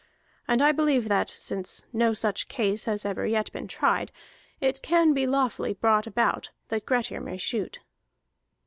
And I believe that, since no such case has ever yet been tried, it can lawfully be brought about that Grettir may shoot."